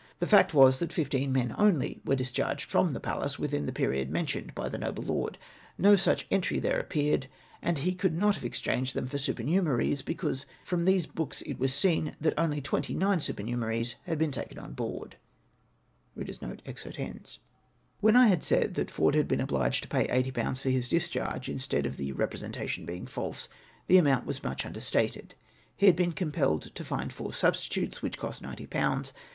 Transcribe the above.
The fact was, that fifteen men only were discharged from the Pallas within the period mentioned by the nohle lord ; no such entry there appeared ; and he could not have exchanged them for super numeraries, because from these books it was seen that only twenty nine supernumeraries had been taken on board." When I said that Ford had been obliged to pay 80/. for his discharge, instead of the representation being flilse the amount was mncli understated. He had been compelled to find four substitutes, ichich cost nineti/ pounds